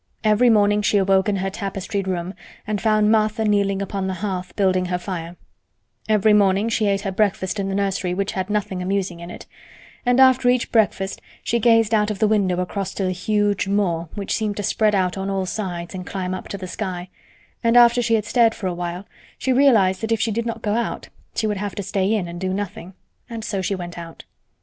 Every morning she awoke in her tapestried room and found Martha kneeling upon the hearth building her fire; every morning she ate her breakfast in the nursery which had nothing amusing in it; and after each breakfast she gazed out of the window across to the huge moor which seemed to spread out on all sides and climb up to the sky, and after she had stared for a while she realized that if she did not go out she would have to stay in and do nothing—and so she went out.